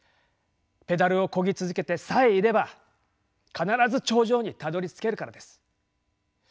ペダルをこぎ続けてさえいれば必ず頂上にたどりつけるからです。